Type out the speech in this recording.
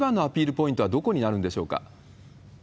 ポイントはどこになるんでしょうか？